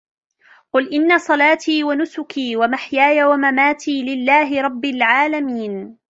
قُلْ إِنَّ صَلَاتِي وَنُسُكِي وَمَحْيَايَ وَمَمَاتِي لِلَّهِ رَبِّ الْعَالَمِينَ